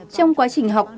trong quá trình học